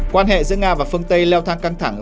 quan hệ giữa nga và phương tây leo thang căng thẳng